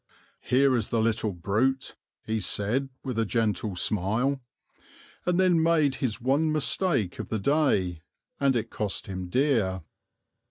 "Here is the little brute," he said, with a gentle smile and then made his one mistake of the day, and it cost him dear.